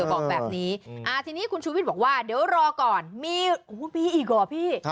บอกแบบนี้ทีนี้คุณชูวิทย์บอกว่าเดี๋ยวรอก่อนมีพี่อีกหรอพี่